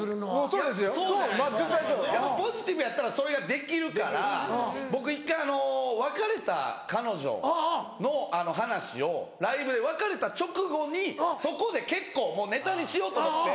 そうじゃないですかねやっぱポジティブやったらそれができるから僕１回別れた彼女の話をライブで別れた直後にそこで結構ネタにしようと思って。